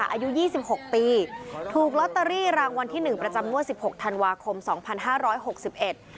อายุยี่สิบหกปีถูกลอตเตอรี่รางวัลที่หนึ่งประจำงวดสิบหกธันวาคมสองพันห้าร้อยหกสิบเอ็ด